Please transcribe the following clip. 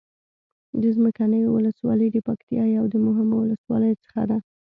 د څمکنيو ولسوالي د پکتيا يو د مهمو ولسواليو څخه ده.